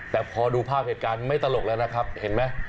แต่พอดูภาพเหตุการณ์ไม่ตลกแล้วนะครับเห็นไหม